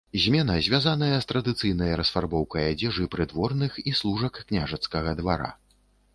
Змена звязаная з традыцыйнай расфарбоўкай адзежы прыдворных і служак княжага двара.